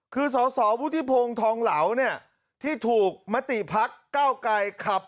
คือสสวุฒิพงศ์ทองเหลาเนี่ยที่ถูกมติพักเก้าไกรขับ